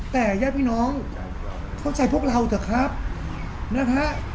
แต่ญาติพี่น้องเข้าใจพวกเราเถอะครับนะฮะ